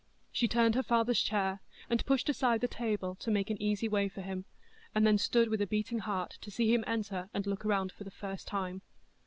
She turned her father's chair, and pushed aside the table to make an easy way for him, and then stood with a beating heart to see him enter and look round for the first time.